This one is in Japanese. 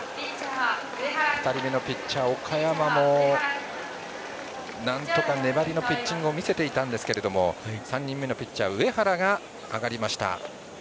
２人目のピッチャー・岡山もなんとか粘りのピッチングを見せていたんですが３人目のピッチャー・上原が上がりました。